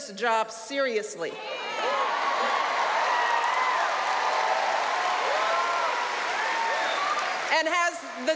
คนที่กลายแล้ว